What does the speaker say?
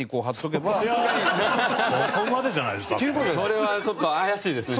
それはちょっと怪しいですね。